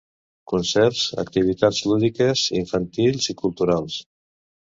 Concerts, activitats lúdiques, infantils i culturals.